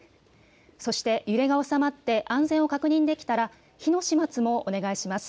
そして揺れが収まって安全を確認できたら火の始末もお願いします。